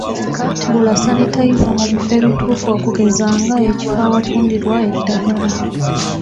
Gula sanitayiza mu bifo ebituufu okugeza nga ekifo awatundirwa eddagala.